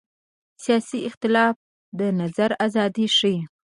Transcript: سیاسي اختلاف د نظر ازادي ښيي